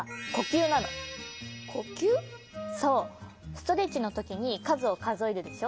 ストレッチのときにかずをかぞえるでしょ？